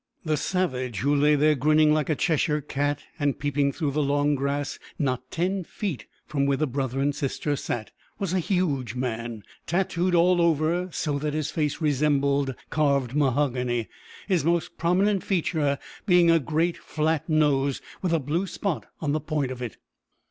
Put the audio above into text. The savage who lay there grinning like a Cheshire cat, and peeping through the long grass not ten feet from where the brother and sister sat, was a huge man, tattooed all over, so that his face resembled carved mahogany, his most prominent feature being a great flat nose, with a blue spot on the point of it.